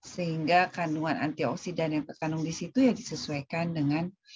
sehingga kandungan antioksidan yang terkandung di situ mungkin mengambil manfaat baik